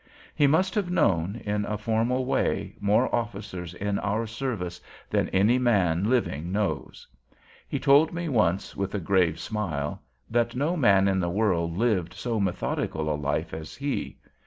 He must have known, in a formal way, more officers in our service than any man living knows. He told me once, with a grave smile, that no man in the world lived so methodical a life as he.